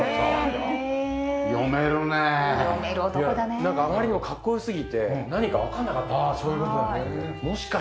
なんかあまりにもかっこ良すぎて何かわからなかったんですよ。